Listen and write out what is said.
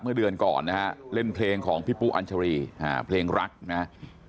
เมื่อเดือนก่อนนะฮะเล่นเพลงของพี่ปุ๊อัญชรีเพลงรักนะครับ